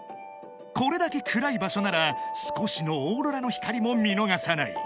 ［これだけ暗い場所なら少しのオーロラの光も見逃さない］